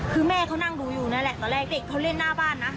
คือแม่เขานั่งดูอยู่นั่นแหละตอนแรกเด็กเขาเล่นหน้าบ้านนะ